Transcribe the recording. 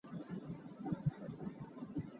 Mi hmasa le mi hmanung ti lengmang ding a si lo.